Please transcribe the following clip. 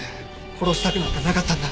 殺したくなんかなかったんだ。